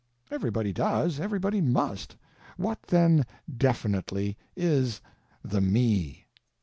Everybody does; everybody must. What, then, definitely, is the Me?